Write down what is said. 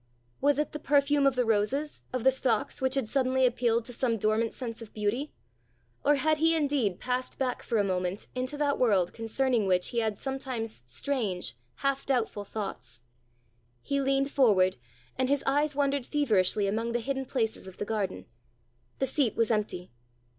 Was it the perfume of the roses, of the stocks, which had suddenly appealed to some dormant sense of beauty? Or had he indeed passed back for a moment into that world concerning which he had sometimes strange, half doubtful thoughts? He leaned forward, and his eyes wandered feverishly among the hidden places of the garden. The seat was empty.